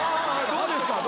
どうですか？